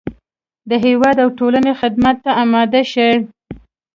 د هېواد او ټولنې خدمت ته اماده شي.